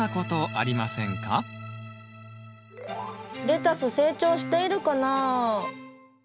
レタス成長しているかな？